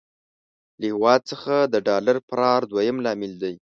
له هېواد څخه د ډالر فرار دويم لامل دی.